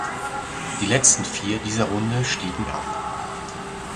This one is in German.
Die letzten vier dieser Runde stiegen ab.